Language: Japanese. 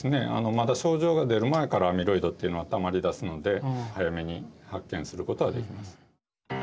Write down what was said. まだ症状が出る前からアミロイドっていうのはたまりだすので早めに発見することはできます。